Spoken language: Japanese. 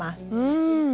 うん。